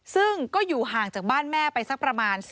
ซึ่งก็อยู่ห่างจากบ้านแม่ไปสักประมาณ